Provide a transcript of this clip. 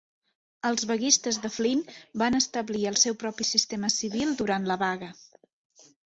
Els vaguistes de Flint van establir el seu propi sistema civil durant la vaga.